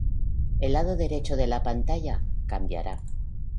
El lado derecho de la pantalla cambiará